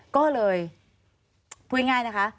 ก็เลยพูดง่ายนะคะ